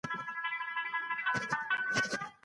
په انګلستان کې د سرطان ژوندي پاتې کېدو کچه لوړه شوې.